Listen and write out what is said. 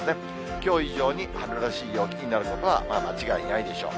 きょう以上に春らしい陽気になることは間違いないでしょう。